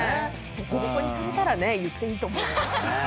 ボコボコにされたらね言っていいと思うよ。